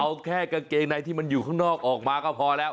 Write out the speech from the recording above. เอาแค่กางเกงในที่มันอยู่ข้างนอกออกมาก็พอแล้ว